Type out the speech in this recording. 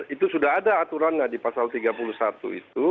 itu sudah ada aturannya di pasal tiga puluh satu itu